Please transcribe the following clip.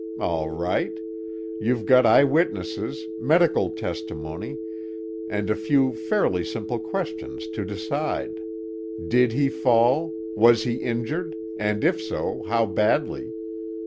All right: you've got eyewitnesses, medical testimony, and a few fairly simple questions to decide: did he fall? was he injured, and if so how badly?